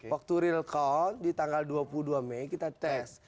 waktu real count di tanggal dua puluh dua mei kita tes